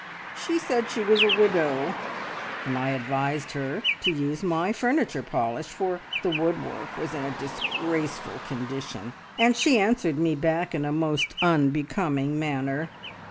She said she was a widow, and I advised her to use my furniture polish, for the woodwork was in a disgraceful condition, and she answered me back in a most unbecoming manner.